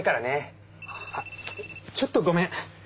あちょっとごめん。